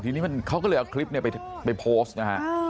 ทีนี้เขาก็เลยเอาคลิปไปโพสต์นะฮะ